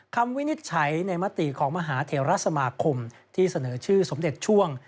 วินิจฉัยในมติของมหาเทราสมาคมที่เสนอชื่อสมเด็จช่วง